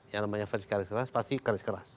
yang namanya fans kare keras pasti kare keras